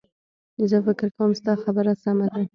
زه فکر کوم ستا خبره سمه ده